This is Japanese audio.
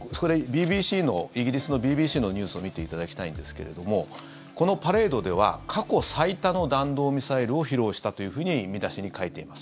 イギリスのＢＢＣのニュースを見ていただきたいんですけれどもこのパレードでは過去最多の弾道ミサイルを披露したというふうに見出しに書いています。